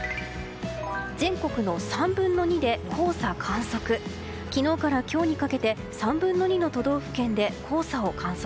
全国の３分の２で黄砂観測。